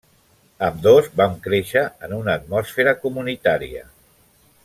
Ambdós vam créixer en una atmosfera comunitària.